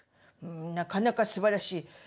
なかなかすばらしい。